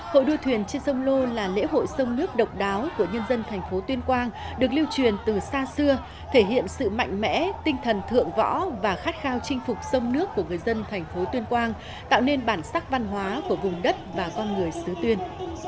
hội đua thuyền trên sông lô là lễ hội sông nước độc đáo của nhân dân thành phố tuyên quang được lưu truyền từ xa xưa thể hiện sự mạnh mẽ tinh thần thượng võ và khát khao chinh phục sông nước của người dân thành phố tuyên quang tạo nên bản sắc văn hóa của vùng đất và con người xứ tuyên